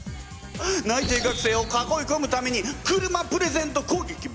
内定学生を囲いこむために車プレゼントこうげき！